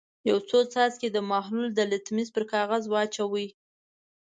یو څو څاڅکي د محلول د لتمس پر کاغذ واچوئ.